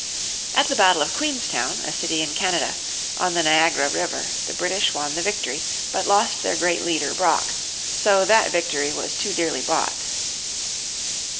At the battle of Queenstown, a city in Canada, on the Niagara River, the British won the victory, but lost their great leader Brock, so that victory was too dearly bought.